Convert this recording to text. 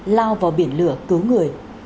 lao vào biển lửa cứu người